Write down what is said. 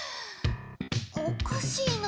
おっかしいな？